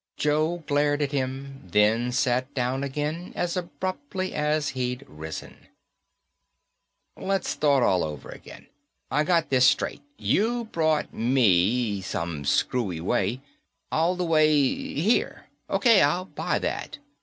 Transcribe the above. Joe glared at him. Then sat down again, as abruptly as he'd arisen. "Let's start all over again. I got this straight, you brought me, some screwy way, all the way ... here. O.K., I'll buy that.